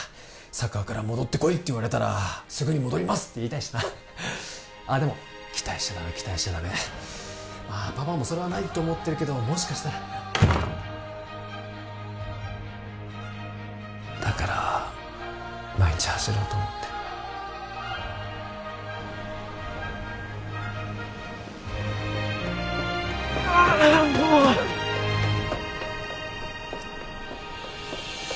サッカーから戻ってこいって言われたらすぐに戻りますって言いたいしなあでも期待しちゃダメ期待しちゃダメまあパパもそれはないと思ってるけどもしかしたらだから毎日走ろうと思ってああもう！